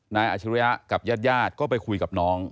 นายอัจฉริยะกับญาติก็ไปคุยกับน้อง